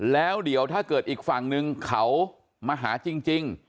แล้วเดี๋ยวถ้าเกิดอีกฝั่งนึงเขามาหาจริง